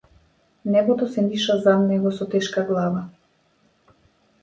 Небото се ниша зад него со тешка глава.